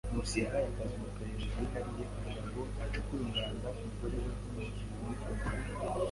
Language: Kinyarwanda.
Nkusi yahaye akazi umupererezi wihariye kugirango acukure umwanda umugore we n'umukunzi we.